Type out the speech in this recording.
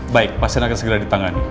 baik pasien akan segera ditangani